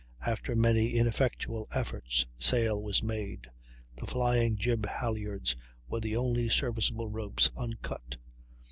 After many ineffectual efforts sail was made. The flying jib halyards were the only serviceable ropes uncut.